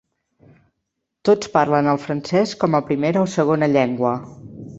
Tots parlen el francès com a primera o segona llengua.